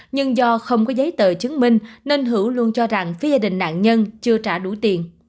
nhưng do không có giấy tờ chứng minh nên hữu luôn cho rằng phía gia đình nạn nhân chưa trả đủ tiền